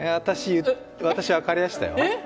私、分かりやしたよ。